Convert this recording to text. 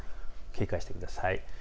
警戒してください。